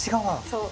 そう。